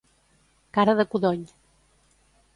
Cara de codony.